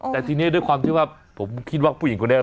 แต่ทีนี้ด้วยความที่ว่าผมคิดว่าผู้หญิงคนนี้